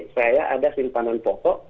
saya ada simpanan pokok